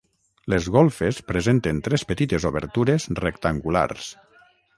Les golfes presenten tres petites obertures rectangulars.